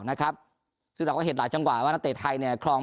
นะครับซึ่งเราก็เห็นหลายจังหวะว่านักเตะไทยเนี่ยครอง